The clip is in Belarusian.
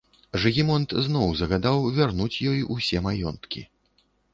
Жыгімонт зноў загадаў вярнуць ёй усе маёнткі.